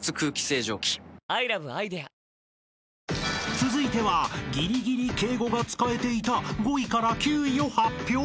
［続いてはぎりぎり敬語が使えていた５位から９位を発表］